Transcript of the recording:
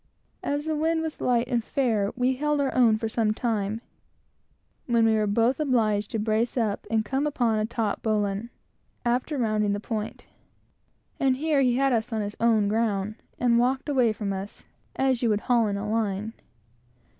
As the wind was light and fair, we held our own, for some time, when we were both obliged to brace up and come upon a taut bowline, after rounding the point; and here he had us on fair ground, and walked away from us, as you would haul in a line.